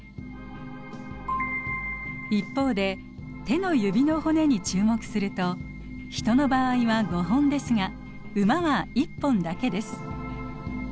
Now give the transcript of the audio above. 一方で手の指の骨に注目するとヒトの場合は５本ですがウマは１本だけです。